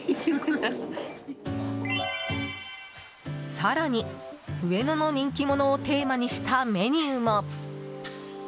更に、上野の人気者をテーマにしたメニューも。